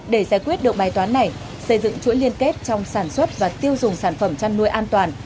để giải quyết được bài toán này xây dựng chuỗi liên kết trong sản xuất và tiêu dùng sản phẩm chăn nuôi an toàn